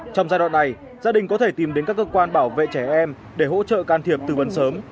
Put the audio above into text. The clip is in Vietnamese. trong giai đoạn này gia đình có thể tìm đến các cơ quan bảo vệ trẻ em để hỗ trợ can thiệp tư vấn sớm